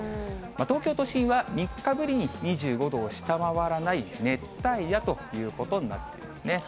東京都心は３日ぶりに２５度を下回らない熱帯夜ということになっていますね。